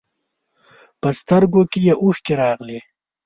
په سترګو کې یې اوښکې راغلې.